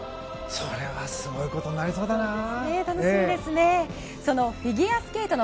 それはすごいことになりそうだな。